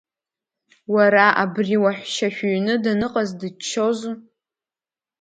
Уара абри уаҳәшьа шәыҩны даныҟаз дыччозу?